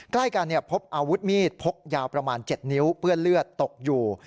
ใกล้กันพบอาวุธมีดพกยาวประมาณ๗นิ้วเปื้อนเลือดตกอยู่